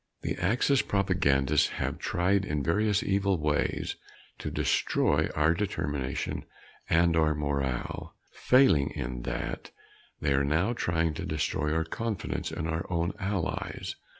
The Axis propagandists have tried in various evil ways to destroy our determination and our morale. Failing in that, they are now trying to destroy our confidence in our own allies.